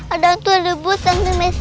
ada hantu de bus